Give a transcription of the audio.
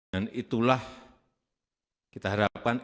dan itulah kita harapkan